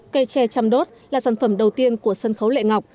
cây tre chăm đốt là sản phẩm đầu tiên của sân khấu lệ ngọc